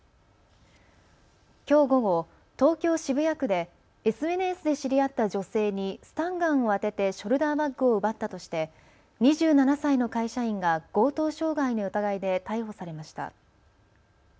きょう午後、東京渋谷区でＳＮＳで知り合った女性にスタンガンを当ててショルダーバッグを奪ったとして２７歳の会社員が強盗傷害の疑いで逮捕されました。